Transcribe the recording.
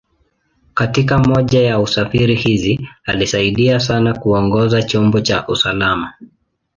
Katika moja ya safari hizi, alisaidia sana kuongoza chombo kwa usalama.